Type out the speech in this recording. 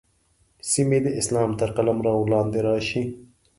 سیمې د اسلام تر قلمرو لاندې راشي.